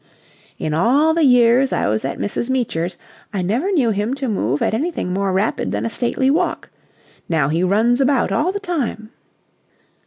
"In all the years I was at Mrs. Meecher's I never knew him move at anything more rapid than a stately walk. Now he runs about all the time."